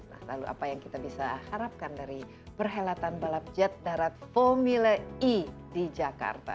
nah lalu apa yang kita bisa harapkan dari perhelatan balap jet darat formula e di jakarta